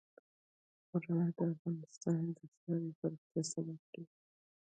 غرونه د افغانستان د ښاري پراختیا سبب کېږي.